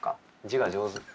字が上手。